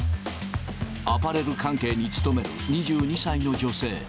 アパレル関係に勤める２２歳の女性。